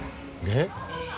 えっ？